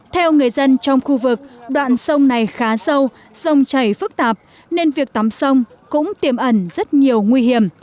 theo người dân trong khu vực đoạn sông này khá sâu sông chảy phức tạp nên việc tắm sông cũng tiềm ẩn rất nhiều nguy hiểm